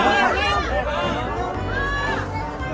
สวัสดีครับ